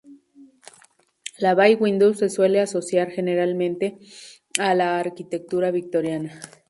La "bay window" se suele asociar, generalmente, a la arquitectura victoriana.